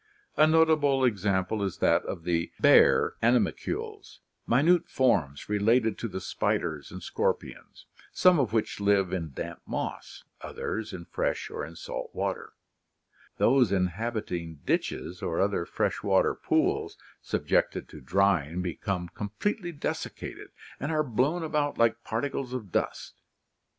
A notable example is that of the bear animalcules, minute forms related to the spiders and scorpions, some of which live in damp moss, others in fresh or in salt water. Those inhabiting ditches or other fresh water pools subjected to drying become 212 ORGANIC EVOLUTION completely desiccated and are blown about like particles of dust.